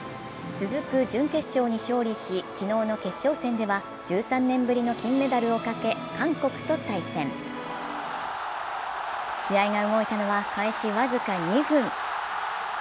続く準決勝に勝利し、昨日の決勝戦では１３年ぶりの金メダルをかけ韓国と対戦。試合が動いたのは開始僅か２分。